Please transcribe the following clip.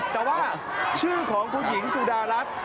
แต่ว่าชื่อของผู้หญิงสุดารักษณ์